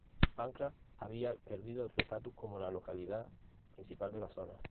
Pancras había perdido su estatus como la localidad principal de la zona.